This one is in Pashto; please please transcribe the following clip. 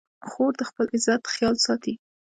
خور د خپل عزت خیال ساتي.